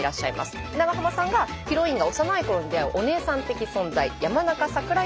長濱さんがヒロインが幼いころに出会うお姉さん的存在山中さくら